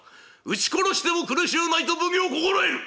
打ち殺しても苦しゅうないと奉行心得る！